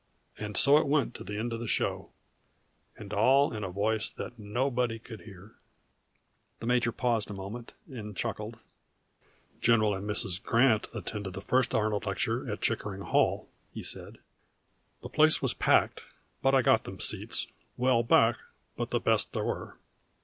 And so it went to the end of the show and all in a voice that nobody could hear!" The major paused a moment, and chuckled. "General and Mrs. Grant attended the first Arnold lecture at Chickering Hall," he said. "The place was packed; but I got them seats, well back, but the best there were.